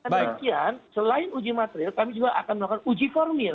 dan demikian selain uji material kami juga akan melakukan uji formil